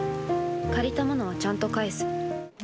借りたものはちゃんと返す。